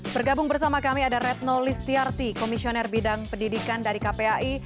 bergabung bersama kami ada retno listiarti komisioner bidang pendidikan dari kpai